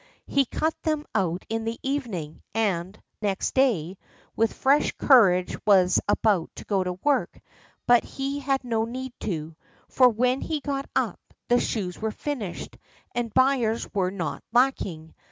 He cut them out in the evening, and next day, with fresh courage was about to go to work; but he had no need to, for when he got up, the shoes were finished, and buyers were not lacking.